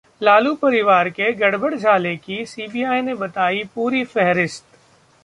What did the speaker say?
लालू परिवार के 'गड़बड़झाले' की सीबीआई ने बताई पूरी फेहरिस्त